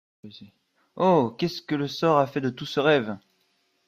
Oh! qu’est-ce que le sort a fait de tout ce rêve?